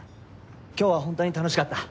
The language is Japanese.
今日は本当に楽しかった。